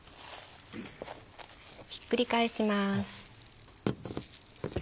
ひっくり返します。